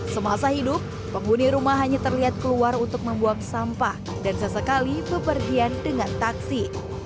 semasa hidup penghuni rumah hanya terlihat keluar untuk membuang sampah dan sesekali bepergian dengan taksi